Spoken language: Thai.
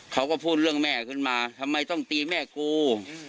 เขาก็พูดเรื่องแม่ขึ้นมาทำไมต้องตีแม่กู